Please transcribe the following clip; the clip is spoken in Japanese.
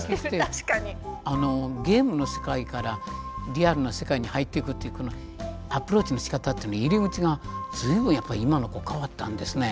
あのゲームの世界からリアルな世界に入ってくっていうこのアプローチのしかたっていうの入り口が随分やっぱり今の子変わったんですね。